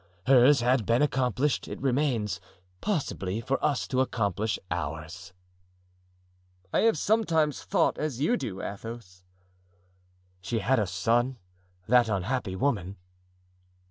Hers had been accomplished; it remains, possibly, for us to accomplish ours." "I have sometimes thought as you do, Athos." "She had a son, that unhappy woman?"